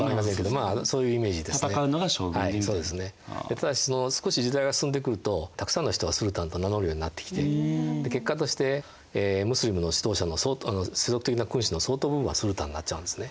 ただし少し時代が進んでくるとたくさんの人がスルタンと名乗るようになってきて結果としてムスリムの指導者の世俗的な君主の相当分はスルタンになっちゃうんですね。